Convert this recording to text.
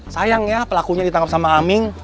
sayang ya pelakunya ditangkap sama aming